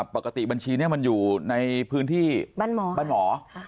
ปกติบัญชีเนี้ยมันอยู่ในพื้นที่บ้านหมอบ้านหมอค่ะ